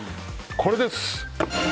これです。